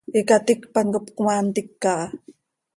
Icaticpan cop cmaa ntica ha.